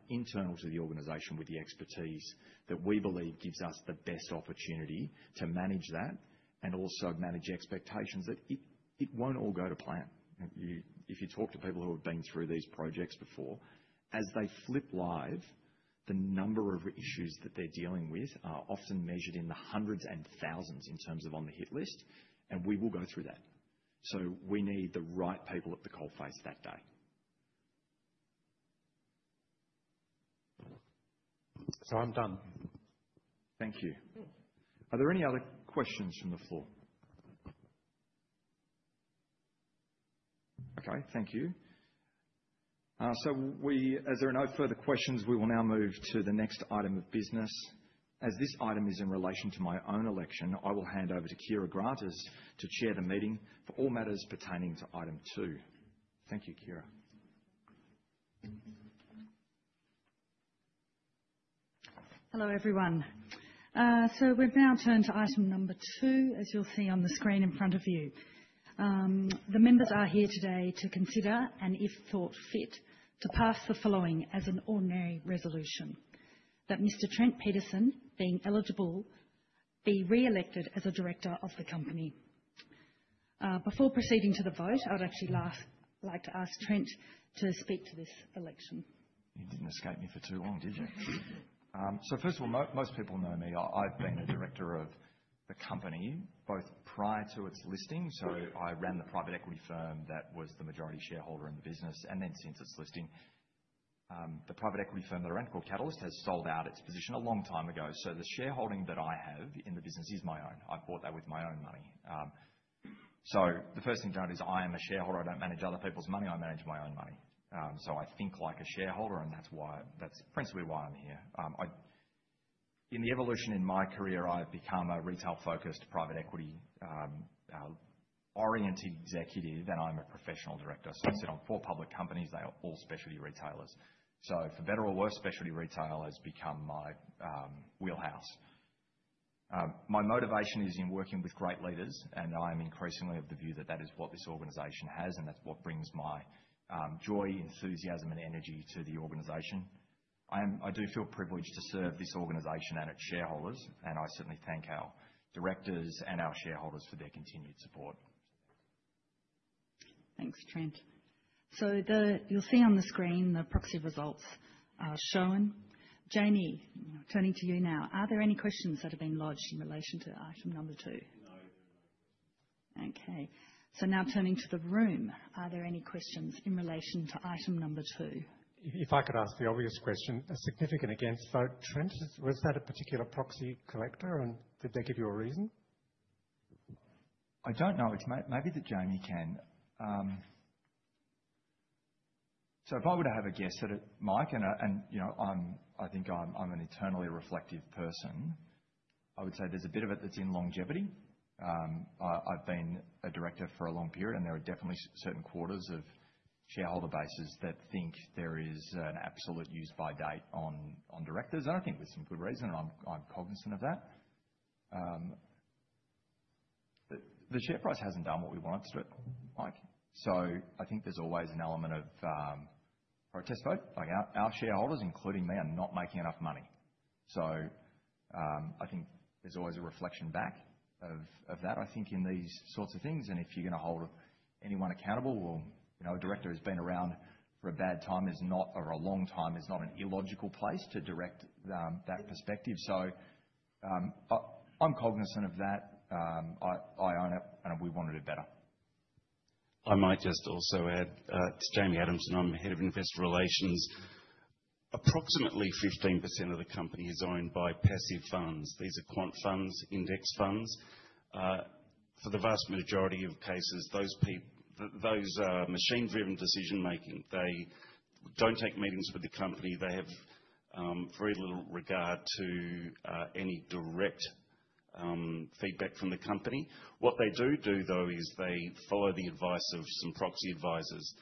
internal to the organization, with the expertise that we believe gives us the best opportunity to manage that and also manage expectations that it won't all go to plan. If you talk to people who have been through these projects before, as they flip live, the number of issues that they're dealing with are often measured in the hundreds and thousands in terms of on the hit list. We will go through that. We need the right people at the coalface that day. I'm done. Thank you. Are there any other questions from the floor? Okay, thank you. As there are no further questions, we will now move to the next item of business. As this item is in relation to my own election, I will hand over to Keira Grant to chair the meeting for all matters pertaining to item two. Thank you, Keira. Hello, everyone. We have now turned to item number two, as you'll see on the screen in front of you. The members are here today to consider, and if thought fit, to pass the following as an ordinary resolution: that Mr. Trent Peterson, being eligible, be re-elected as a director of the company. Before proceeding to the vote, I would actually like to ask Trent to speak to this election. You didn't escape me for too long, did you? First of all, most people know me. I've been a Director of the company both prior to its listing. I ran the private equity firm that was the majority shareholder in the business. Since its listing, the private equity firm that I ran, called Catalyst, has sold out its position a long time ago. The shareholding that I have in the business is my own. I bought that with my own money. The first thing to note is I am a shareholder. I don't manage other people's money. I manage my own money. I think like a shareholder, and that's principally why I'm here. In the evolution in my career, I've become a retail-focused private equity-oriented executive, and I'm a professional Director. I sit on four public companies. They are all specialty retailers. For better or worse, specialty retail has become my wheelhouse. My motivation is in working with great leaders, and I am increasingly of the view that that is what this organization has, and that's what brings my joy, enthusiasm, and energy to the organization. I do feel privileged to serve this organization and its shareholders, and I certainly thank our Directors and our shareholders for their continued support. Thanks, Trent. You'll see on the screen the proxy results are shown. Jamie, turning to you now, are there any questions that have been lodged in relation to item number two? No. Okay. Turning to the room, are there any questions in relation to item number two? If I could ask the obvious question, a significant again. Trent, was that a particular proxy collector, and did they give you a reason? I don't know. Maybe Jamie can. If I were to have a guess, Mike, and you know I think I'm an eternally reflective person, I would say there's a bit of it that's in longevity. I've been a director for a long period, and there are definitely certain quarters of shareholder bases that think there is an absolute use-by date on directors. I think with some good reason, and I'm cognizant of that. The share price hasn't done what we wanted it to, Mike. I think there's always an element of protest vote. Our shareholders, including me, are not making enough money. I think there's always a reflection back of that, I think, in these sorts of things. If you're going to hold anyone accountable, you know a director who's been around for a bad time or a long time is not an illogical place to direct that perspective. I'm cognizant of that. I own it, and we wanted it better. I might just also add, it's Jamie Adamson. I'm Head of Investor Relations. Approximately 15% of the company is owned by passive funds. These are quant funds, index funds. For the vast majority of cases, those people, those are machine-driven decision-making. They don't take meetings with the company. They have very little regard to any direct feedback from the company. What they do though, is they follow the advice of some proxy advisors.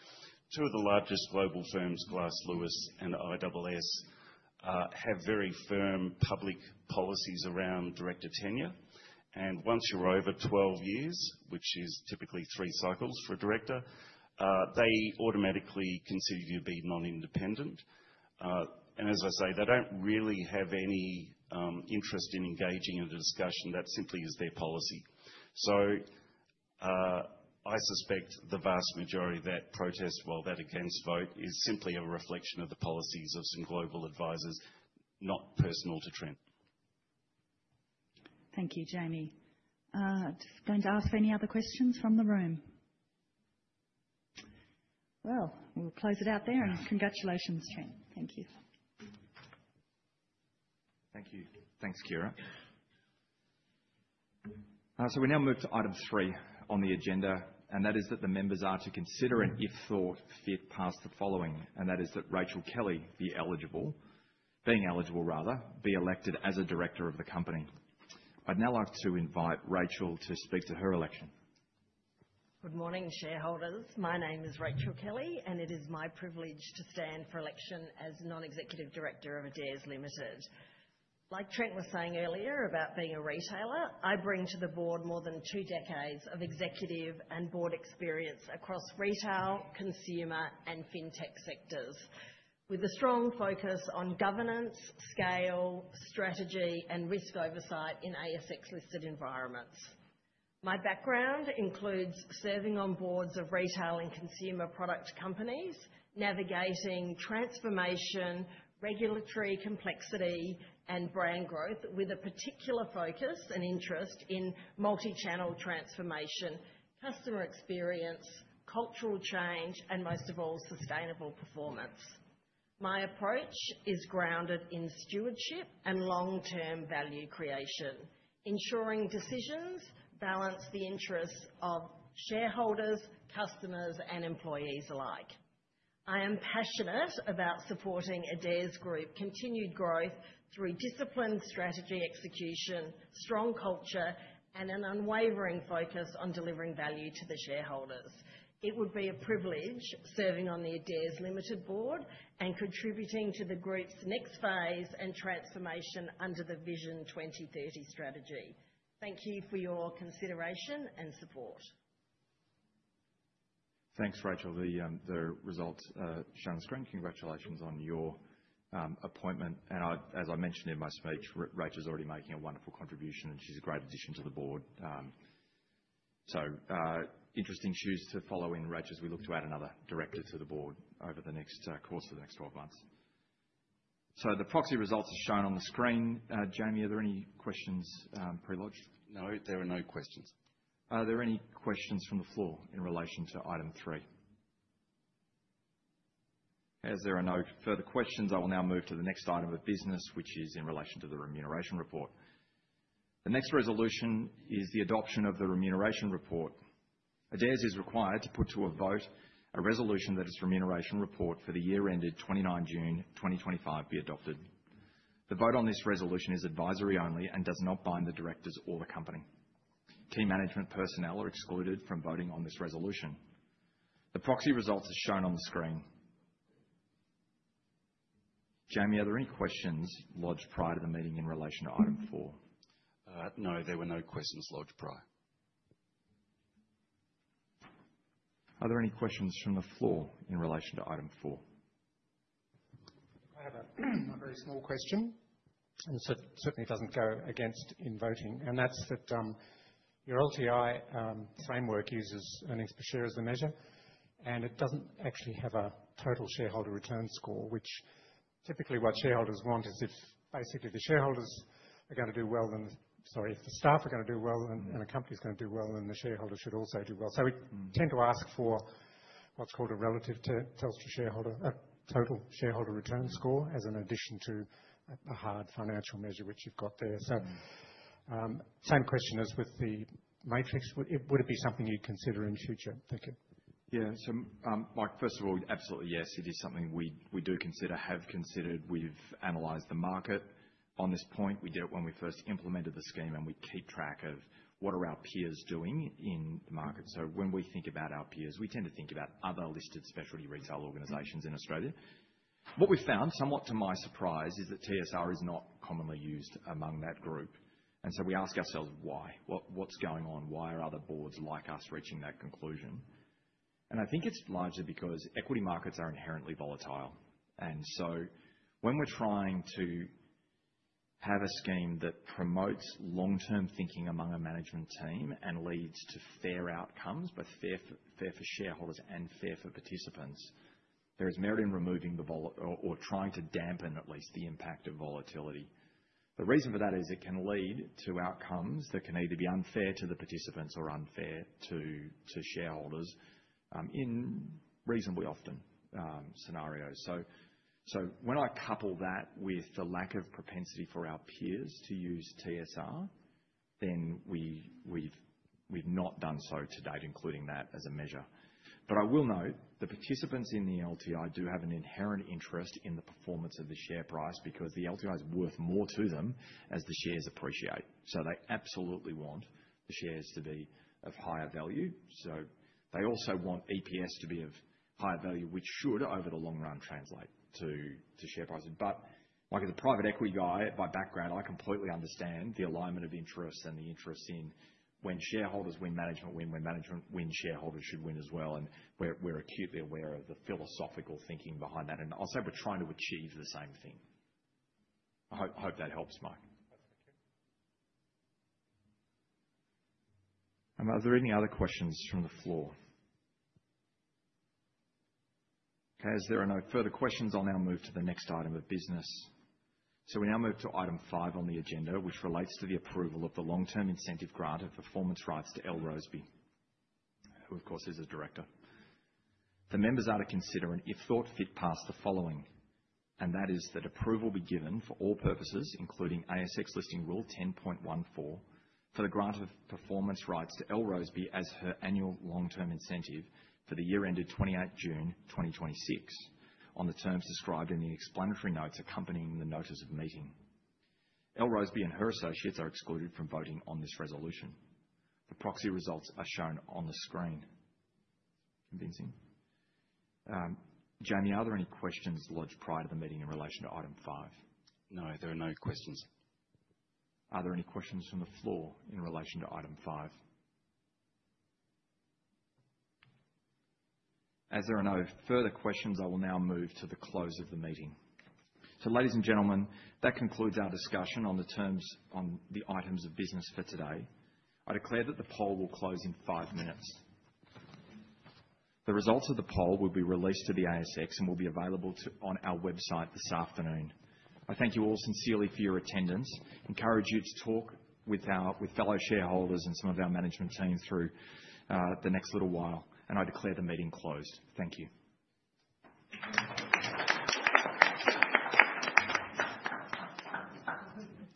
Two of the largest global firms, Glass Lewis and ISS, have very firm public policies around director tenure. Once you're over 12 years, which is typically three cycles for a director, they automatically consider you to be non-independent. As I say, they don't really have any interest in engaging in the discussion. That simply is their policy. I suspect the vast majority of that protest, that against vote, is simply a reflection of the policies of some global advisors, not personal to Trent. Thank you, Jamie. I'm just going to ask for any other questions from the room. We'll close it out there, and congratulations, Trent. Thank you. Thank you. Thanks, Keira. We now move to item three on the agenda, and that is that the members are to consider, and if thought fit, pass the following, and that is that Rachel Kelly, being eligible, be elected as a Director of the company. I'd now like to invite Rachel to speak to her election. Good morning, shareholders. My name is Rachel Kelly, and it is my privilege to stand for election as Non-Executive Director of Adairs Limited. Like Trent was saying earlier about being a retailer, I bring to the board more than two decades of executive and board experience across retail, consumer, and fintech sectors with a strong focus on governance, scale, strategy, and risk oversight in ASX-listed environments. My background includes serving on boards of retail and consumer product companies, navigating transformation, regulatory complexity, and brand growth, with a particular focus and interest in multi-channel transformation, customer experience, cultural change, and most of all, sustainable performance. My approach is grounded in stewardship and long-term value creation, ensuring decisions balance the interests of shareholders, customers, and employees alike. I am passionate about supporting Adairs Group's continued growth through disciplined strategy execution, strong culture, and an unwavering focus on delivering value to the shareholders. It would be a privilege serving on the Adairs Limited board and contributing to the group's next phase and transformation under the Vision 2030 strategy. Thank you for your consideration and support. Thanks, Rachel. The results are shown on the screen. Congratulations on your appointment. As I mentioned in my speech, Rachel's already making a wonderful contribution, and she's a great addition to the board. Interesting shoes to follow in Rachel's. We look to add another director to the board over the course of the next 12 months. The proxy results are shown on the screen. Jamie, are there any questions pre-lodged? No, there are no questions. Are there any questions from the floor in relation to item three? As there are no further questions, I will now move to the next item of business, which is in relation to the remuneration report. The next resolution is the adoption of the remuneration report. Adairs is required to put to a vote a resolution that its remuneration report for the year ended 29 June 2025 be adopted. The vote on this resolution is advisory only and does not bind the directors or the company. Team management personnel are excluded from voting on this resolution. The proxy results are shown on the screen. Jamie, are there any questions lodged prior to the meeting in relation to item four? No, there were no questions lodged prior. Are there any questions from the floor in relation to item four? I have a very small question, and it certainly doesn't go against in voting, and that's that your LTI framework uses earnings per share as a measure, and it doesn't actually have a total shareholder return score, which typically what shareholders want is if basically the shareholders are going to do well, then, sorry, if the staff are going to do well, and a company's going to do well, then the shareholders should also do well. We tend to ask for what's called a relative total shareholder return score as an addition to a hard financial measure, which you've got there. Would it be something you'd consider in the future? Thank you. Yeah. Mike, first of all, absolutely, yes, it is something we do consider, have considered. We've analyzed the market on this point. We did it when we first implemented the scheme, and we keep track of what our peers are doing in the market. When we think about our peers, we tend to think about other listed specialty retail organizations in Australia. What we found, somewhat to my surprise, is that TSR is not commonly used among that group. We ask ourselves, why? What's going on? Why are other boards like us reaching that conclusion? I think it's largely because equity markets are inherently volatile. When we're trying to have a scheme that promotes long-term thinking among a management team and leads to fair outcomes, both fair for shareholders and fair for participants, there is merit in removing or trying to dampen, at least, the impact of volatility. The reason for that is it can lead to outcomes that can either be unfair to the participants or unfair to shareholders, in reasonably often scenarios. When I couple that with the lack of propensity for our peers to use TSR, then we've not done so to date, including that as a measure. I will note the participants in the LTI do have an inherent interest in the performance of the share price because the LTI is worth more to them as the shares appreciate. They absolutely want the shares to be of higher value. They also want EPS to be of higher value, which should, over the long run, translate to share prices. Like as a private equity guy by background, I completely understand the alignment of interests and the interests in when shareholders win, management win, when management wins, shareholders should win as well. We're acutely aware of the philosophical thinking behind that. I'll say we're trying to achieve the same thing. I hope that helps, Mike. That's okay. Are there any other questions from the floor? Okay. As there are no further questions, I'll now move to the next item of business. We now move to item five on the agenda, which relates to the approval of the long-term incentive grant of performance rights to Elle Roseby, who, of course, is a Director. The members are to consider and, if thought fit, pass the following, and that is that approval be given for all purposes, including ASX Listing Rule 10.14, for the grant of performance rights to Elle Roseby as her annual long-term incentive for the year ended 28th June 2026 on the terms described in the explanatory notes accompanying the notice of meeting. Elle Roseby and her associates are excluded from voting on this resolution. The proxy results are shown on the screen. Convincing? Jamie, are there any questions lodged prior to the meeting in relation to item five? No, there are no questions. Are there any questions from the floor in relation to item five? As there are no further questions, I will now move to the close of the meeting. Ladies and gentlemen, that concludes our discussion on the terms on the items of business for today. I declare that the poll will close in five minutes. The results of the poll will be released to the ASX and will be available on our website this afternoon. I thank you all sincerely for your attendance. I encourage you to talk with our fellow shareholders and some of our management teams through the next little while. I declare the meeting closed. Thank you.